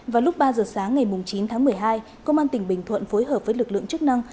vào lúc ba giờ sáng ngày chín tháng một mươi hai công an tỉnh bình thuận phối hợp với lực lượng chức năng